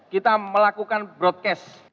kita melakukan broadcast